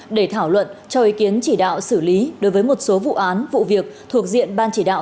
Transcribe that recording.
để thảo luận cho ý kiến chỉ đạo xử lý đối với một số vụ án vụ việc thuộc diện ban chỉ đạo